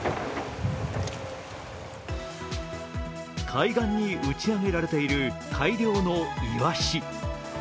海岸に打ち上げられている大量のイワシ。